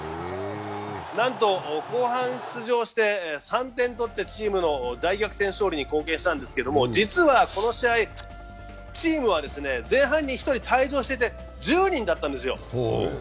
なんと後半出場して３点取ってチームの大逆転勝利に貢献したんですけれども、実はこの試合、チームは前半に１人退場していて、１０人だったんですよ！